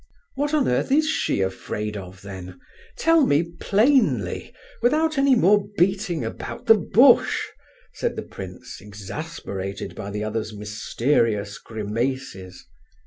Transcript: "What on earth is she afraid of, then? Tell me plainly, without any more beating about the bush," said the prince, exasperated by the other's mysterious grimaces.